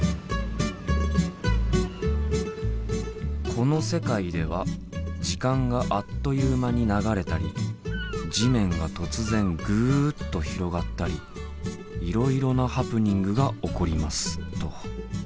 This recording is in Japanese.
「この世界では時間があっという間に流れたり地面が突然ぐっと広がったりいろいろなハプニングが起こります」と。